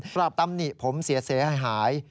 กลับตั้มหนิผมเสียหาย